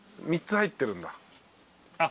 ３つ入ってるんだ。